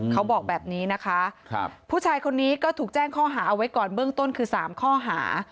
เขาบอกแบบนี้นะคะผู้ชายคนนี้ก็ถูกแจ้งข้อหาเอาไว้ก่อนเบื้องต้นคือ๓ข้อหา